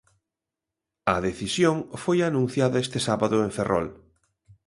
A decisión foi anunciada este sábado en Ferrol.